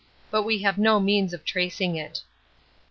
But we have no means of tracing it.